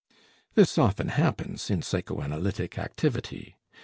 This often happens in psychoanalytic activity.